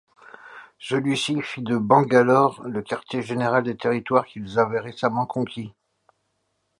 Celui-ci fit de Bangalore le quartier général des territoires qu'ils avaient récemment conquis.